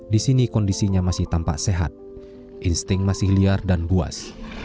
di sini kondisinya masih tampak sehat insting masih liar dan buas